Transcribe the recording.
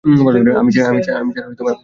আমি ছাড়া আর কেউ নেই।